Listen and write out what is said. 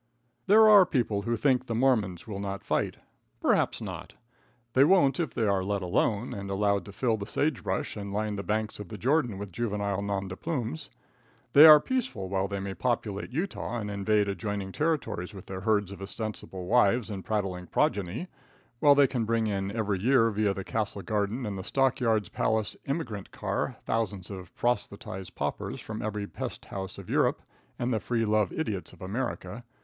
There are people who think the Mormons will not fight. Perhaps not. They won't if they are let alone, and allowed to fill the sage brush and line the banks of the Jordan with juvenile nom de plumes. They are peaceful while they may populate Utah and invade adjoining territories with their herds of ostensible wives and prattling progeny; while they can bring in every year via Castle Garden and the stock yards palace emigrant car, thousands of proselyted paupers from every pest house of Europe, and the free love idiots of America.